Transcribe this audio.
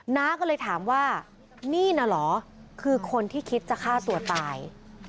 น้าก็เลยถามว่านี่น่ะเหรอคือคนที่คิดจะฆ่าตัวตาย